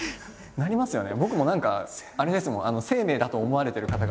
なりますよね。